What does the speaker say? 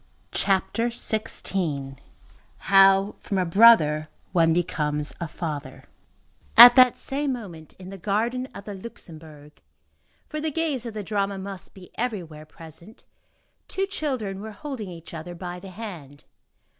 CHAPTER XVI—HOW FROM A BROTHER ONE BECOMES A FATHER At that same moment, in the garden of the Luxembourg,—for the gaze of the drama must be everywhere present,—two children were holding each other by the hand.